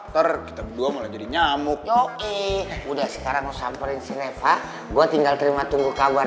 terkita gua mau jadi nyamuk oke udah sekarang sampein sinewa gua tinggal terima tunggu kabar